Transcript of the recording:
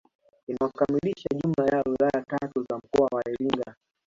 Inayokamilisha jumla ya wilaya tatu za mkoa wa Iringa